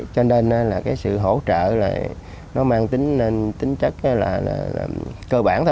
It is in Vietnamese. cho nên là cái sự hỗ trợ là nó mang tính tính chất là cơ bản thôi